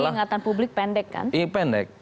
lagi ingatan publik pendek kan